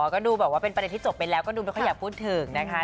ก็ดูแบบว่าเป็นประเด็นที่จบไปแล้วก็ดูไม่ค่อยอยากพูดถึงนะคะ